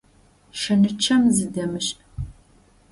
Шэнычъэм зыдэмышӏ.